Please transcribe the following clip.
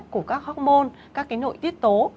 của các hormôn các cái nội tiết tố